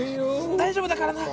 大丈夫だからな。